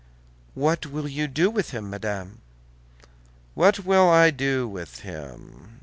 "What will you do with him, madame?" "What will I do with him?